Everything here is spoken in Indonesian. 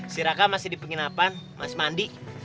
si raka masih di penginapan masih mandi